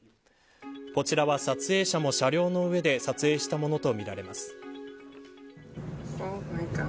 こちらは撮影者も車両の上で撮影したものと見られます。